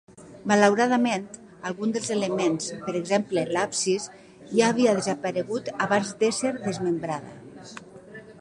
Malauradament, algun dels elements, per exemple l'absis, ja havia desaparegut abans d'ésser desmembrada.